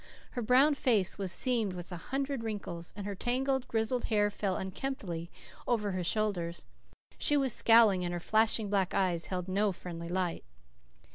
Her brown face was seamed with a hundred wrinkles, and her tangled, grizzled hair fell unkemptly over her shoulders. She was scowling, and her flashing black eyes held no friendly light.